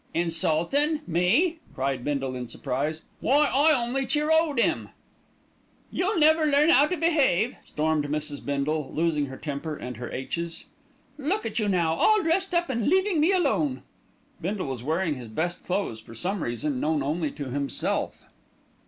"Insultin'! Me!" cried Bindle in surprise. "Why, I only cheer o'd 'im." "You'll never learn 'ow to behave," stormed Mrs. Bindle, losing her temper and her aitches. "Look at you now, all dressed up and leaving me alone." Bindle was wearing his best clothes, for some reason known only to himself.